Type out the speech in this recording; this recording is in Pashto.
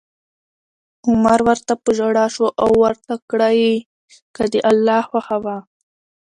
عمر ورته په ژړا شو او ورته کړه یې: که د الله خوښه وه